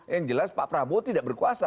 yang jelas pak prabowo tidak berkuasa